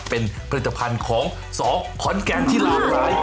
เป็นผลิตภัณฑ์ของสอขอนแกนที่หลากหลาย